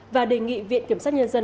và đề nghị viện kiểm sát nhân dân